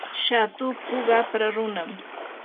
shatuku qapra runam.